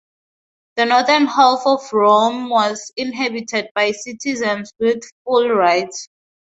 The northern half of Rome was inhabited by citizens with full rights.